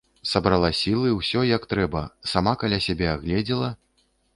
Сабрала сілы, усё, як трэба, сама каля сябе агледзела.